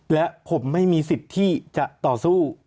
และผมไม่มีสิทธิ์ที่จะต่อสู้